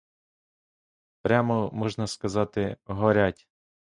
Прямо, можна сказати — горять.